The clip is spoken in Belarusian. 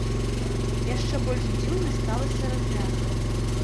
Яшчэ больш дзіўнай сталася развязка.